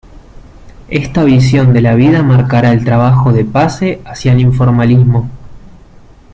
Esta visión de la vida marcará el trabajo de Pace hacia el informalismo.